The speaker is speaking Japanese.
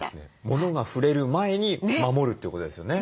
ものが触れる前に守るってことですよね。